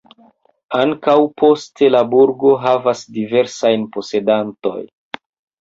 Ankaŭ poste la burgo havas diversajn posedantoj.